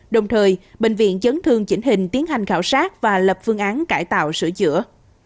đồng thời bệnh viện chấn thương chỉnh hình tiến hành khảo sát và lập phương án cải tạo sửa chữa